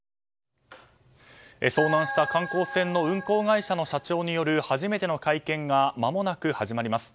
遭難した観光船の運航会社の社長による初めての会見がまもなく始まります。